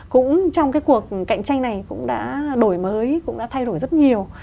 cũng trong cái cuộc cạnh tranh này cũng đã đổi mới cũng đã thay đổi rất nhiều